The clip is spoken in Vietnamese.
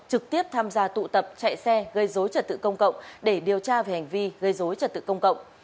trực tiếp tham gia tụ tập chạy xe gây dối trật tự công cộng để điều tra về hành vi gây dối trật tự công cộng